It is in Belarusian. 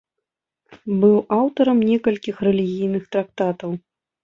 Быў аўтарам некалькіх рэлігійных трактатаў.